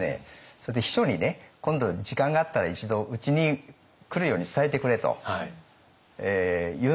それで秘書にね今度時間があったら一度うちに来るように伝えてくれと言うわけです。